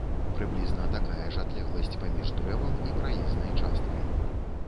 Прыблізна такая ж адлегласць паміж дрэвам і праезнай часткай.